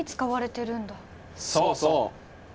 そうそう。